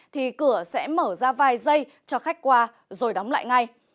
thì cửa sẽ mở ra vài giây cho khách qua rồi đóng lại ngay